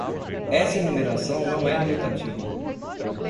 Essa enumeração não é limitativa.